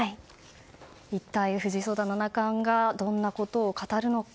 一体、藤井聡太七冠がどんなことを語るのか。